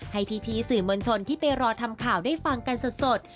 ให้พี่สื่อมวลชนที่ไปรอทำข่าวได้ฟังกันสด